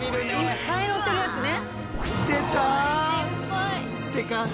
いっぱい乗ってるやつね。